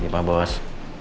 iya pak bos